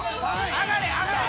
上がれ上がれ。